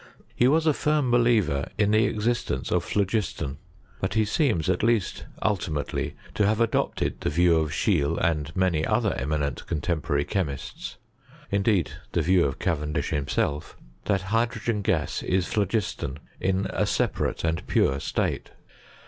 He was a firm believer in the existence of ftA(f giston ; hut lie seems, at least ultimately, to have ndopteil the view of Scheele, and many other emi Mont contemporary chemists — indeed, the view of Cavendish himself — that hydrogen gas is phlogiston in n separate and pure Etate.